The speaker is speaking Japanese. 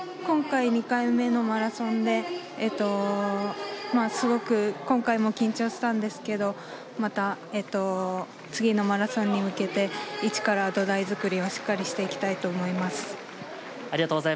今回、２回目のマラソンですごく今回も緊張したんですけどまた次のマラソンに向けて一から土台作りをしっかりしていきたいと思います。